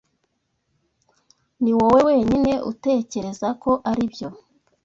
Niwowe wenyine utekereza ko aribyo.